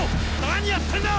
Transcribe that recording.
何やってんだ！